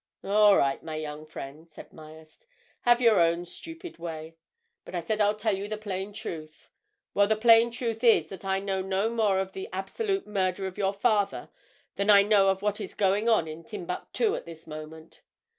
"All right, my young friend," said Myerst. "Have your own stupid way. But I said I'd tell you the plain truth. Well, the plain truth is that I know no more of the absolute murder of your father than I know of what is going on in Timbuctoo at this moment!